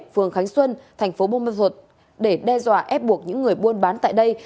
phường khánh xuân tp bô ma thuật để đe dọa ép buộc những người buôn bán tại đây